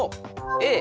Ａ！